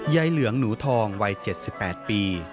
เหลืองหนูทองวัย๗๘ปี